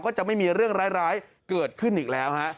จะไม่มีเรื่องร้ายเกิดขึ้นอีกแล้วฮะ